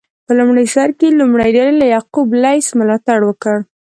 په لومړي سر کې کومې ډلې له یعقوب لیث ملاتړ وکړ؟